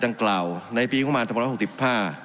ทางกล่าวในปีงบมารย์๓๖๕